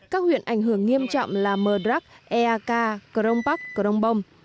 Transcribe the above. các huyện ảnh hưởng nghiêm trọng là mờ đrắc ea ca crong bắc crong bông